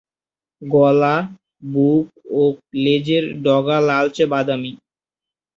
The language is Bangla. গলা, বুক ও লেজের ডগা লালচে বাদামী।